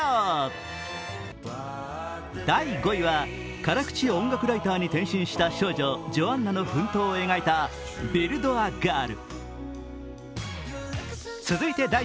辛口音楽ライターに転身した少女、ジョアンナの奮闘を描いた「ビルド・ア・ガール」。